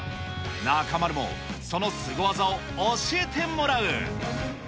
中丸もそのすご技を教えてもらう。